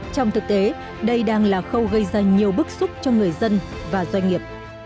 trong thực tế đây đang là khâu gây ra nhiều bức xúc cho người dân và doanh nghiệp